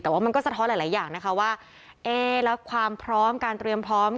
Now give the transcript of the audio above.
แต่ว่ามันก็สะท้อนหลายอย่างนะคะว่าเอ๊ะแล้วความพร้อมการเตรียมพร้อม